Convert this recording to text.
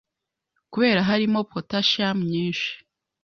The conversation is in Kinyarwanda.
Kubera harimo potassium nyinshi